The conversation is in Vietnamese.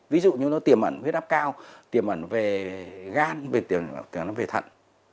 ví dụ như tiềm ẩn huyết áp cao tiềm ẩn về gan tiềm ẩn về thận